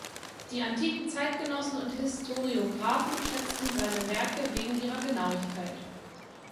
Die antiken Zeitgenossen und Historiographen schätzten seine Werke wegen ihrer Genauigkeit.